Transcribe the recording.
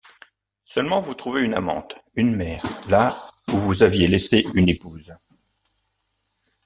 Seulement, vous trouvez une amante, une mère, là où vous aviez laissé une épouse.